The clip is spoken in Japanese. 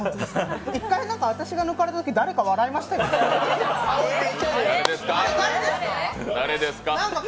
１回、私が抜かれたとき誰か笑いましたよね、誰ですか！